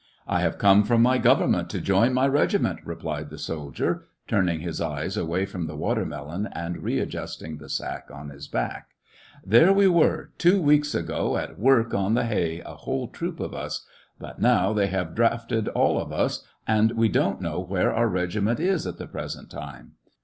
"I have come from my government to join my regiment," replied the soldier, turning his eyes away from the watermelon, and readjusting the sack on his back. "There we were, two weeks ago, at work on the hay, a whole troop of us ; but now they have drafted all of us, and we don't SE VASTOPOL IN A UGUST. \ 3 1 know where our regiment is at the present time.